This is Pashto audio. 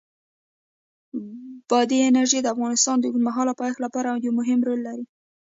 بادي انرژي د افغانستان د اوږدمهاله پایښت لپاره یو مهم رول لري.